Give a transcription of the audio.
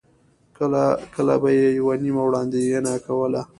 کله کله به یې یوه نیمه وړاندوینه کوله.